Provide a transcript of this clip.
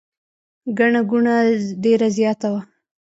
ګڼه ګوڼه ډېره زیاته وه.